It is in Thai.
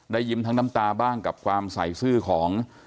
ยิ้มทั้งน้ำตาบ้างกับความใส่ซื่อของ